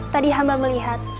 tadi hamba melihat